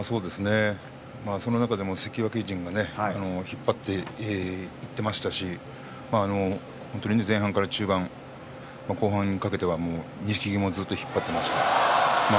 その中で関脇陣が引っ張っていっていましたし本当に前半から中盤後半にかけては錦木もずっと引っ張っていました。